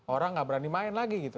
orang nggak berani main lagi gitu